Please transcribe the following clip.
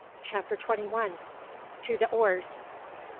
CHAPTER TWENTY ONE. TO THE OARS.